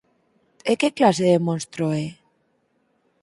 E que clase de monstro é?